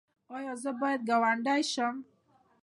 ایا زه باید ګاونډی شم؟